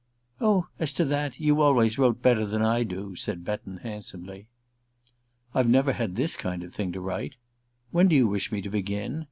"Oh, as to that you always wrote better than I do," said Betton handsomely. "I've never had this kind of thing to write. When do you wish me to begin?"